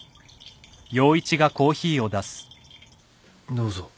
どうぞ。